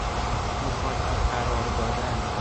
مخاطب قرار دادن